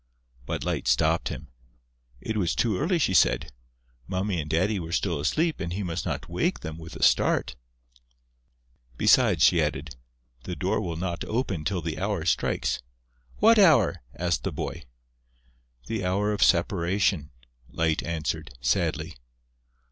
But Light stopped him. It was too early, she said: Mummy and Daddy were still asleep and he must not wake them with a start. "Besides," she added, "the door will not open till the hour strikes." "What hour?" asked the boy. "The hour of separation," Light answered, sadly.